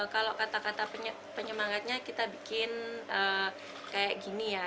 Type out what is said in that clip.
kalau kata kata penyemangatnya kita bikin kayak gini ya